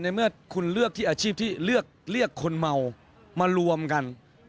เมื่อคุณเลือกที่อาชีพที่เลือกคนเมามารวมกัน